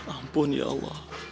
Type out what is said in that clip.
ampun ya allah